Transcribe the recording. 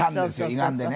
胃がんでね。